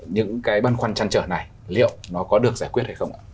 những cái băn khoăn chăn trở này liệu nó có được giải quyết hay không ạ